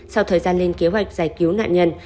sau thời gian lên kế hoạch giải cứu nạn nhân